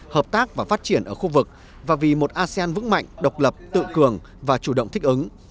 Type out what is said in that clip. hợp tác và phát triển ở khu vực và vì một asean vững mạnh độc lập tự cường và chủ động thích ứng